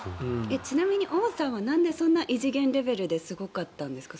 ちなみに王さんはなんでそんなに異次元レベルですごかったんですか？